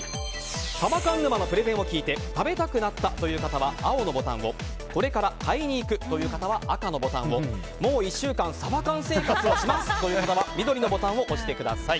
サバ缶沼のプレゼンを聞いて食べたくなったという方は青のボタンをこれから買いに行くという方は赤のボタンをもう１週間サバ缶生活をします！という方は緑のボタンを押してください。